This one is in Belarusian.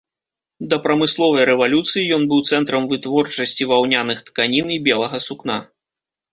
Да прамысловай рэвалюцыі ён быў цэнтрам вытворчасці ваўняных тканін і белага сукна.